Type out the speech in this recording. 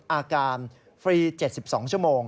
๖อาการฟรี๗๒ชม